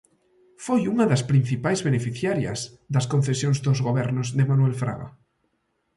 Foi unha das principais beneficiarias das concesións dos Gobernos de Manuel Fraga.